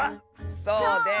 そうです！